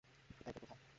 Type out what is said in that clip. এটাই তো প্রথা?